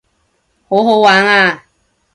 好好玩啊